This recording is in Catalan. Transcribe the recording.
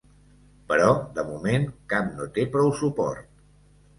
Però, de moment, cap no té prou suport.